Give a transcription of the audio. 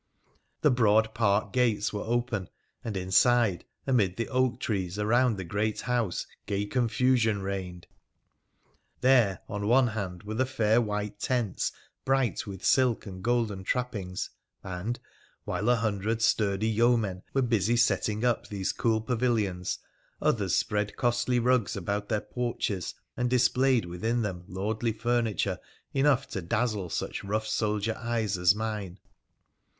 The broad park gates were open, and inside, amid the oak trees around the great house, gay confusion reigned. There, on one hand, were the fair white tents bright with silk and golden trappings, and, while a hundred sturdy yeomen were busy setting up these cool pavilions, others spread costly rugs about their porches, and displayed within them lordly furniture enough to dazzle such rough soldier eyes as mine.